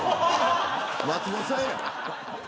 松本さんやん。